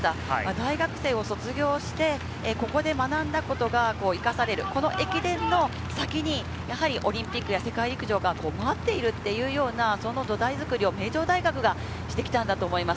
大学生を卒業して、ここで学んだことが生かされる、この駅伝の先に、やはりオリンピックや世界陸上が待っているというような、その土台作りを名城大学がしてきたんだと思います。